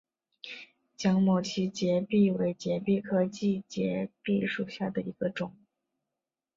江某畸节蜱为节蜱科畸节蜱属下的一个种。